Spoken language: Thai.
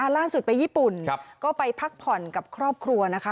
ล่าสุดไปญี่ปุ่นก็ไปพักผ่อนกับครอบครัวนะคะ